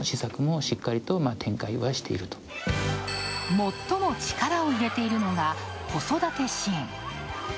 最も力を入れているのが子育て支援。